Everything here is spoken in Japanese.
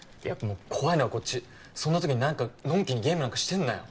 もう怖いのはこっちそんな時に何かのんきにゲームなんかしてんなよ